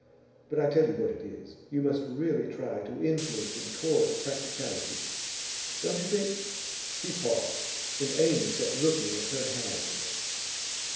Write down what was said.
But I tell you what it is: you must really try to influence him towards practicality. Don't you think ?' He paused, and Amy sat looking at her hands.